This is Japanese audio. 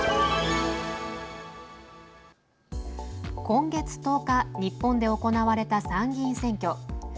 今月１０日日本で行われた参議院選挙。